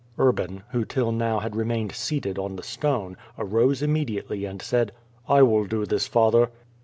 Urban, who till now had remained seated on the stone, arose immediately and said: "I will do this, father."